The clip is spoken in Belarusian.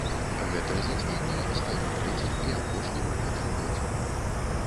Гэтае зацьменне стане трэцім і апошнім у гэтым годзе.